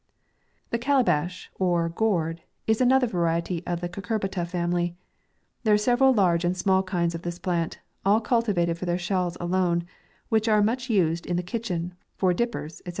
THE CALABASH, or GOURD, is another variety of the cucurbata family. There are several large and small kinds of this plant ; all cultivated for their shells alone, which are much used in the kitchen, for dip pers, &c.